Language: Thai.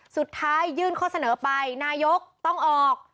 สุดท้ายยื่นข้อเสนอไปนายกต้องออก